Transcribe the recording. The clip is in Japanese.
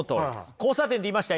交差点って言いました？